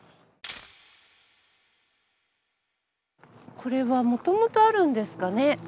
これはもともとあるんですかね？